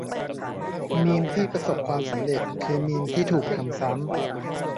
- มีมที่ประสบความสำเร็จ คือมีมที่ถูกทำซ้ำ